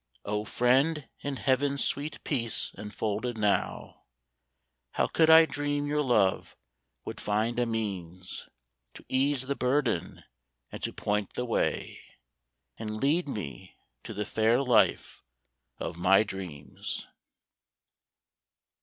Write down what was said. Oh, Friend, in heaven's sweet peace enfolded now, How could I dream your love would find a means To ease the burden and to point the way. And lead me to the fair hfe of my dreams?